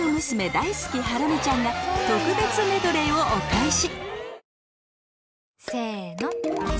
大好きハラミちゃんが特別メドレーをお返し